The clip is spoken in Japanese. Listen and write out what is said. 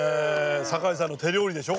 酒井さんの手料理でしょ？